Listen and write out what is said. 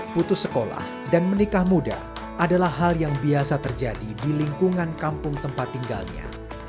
putus sekolah dan menikah muda adalah hal yang biasa terjadi di lingkungan kampung tempat tinggalnya